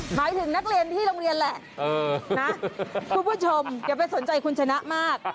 หมายถึงนักเรียนที่โรงเรียนแหละนะคุณผู้ชมอย่าไปสนใจคุณชนะมาก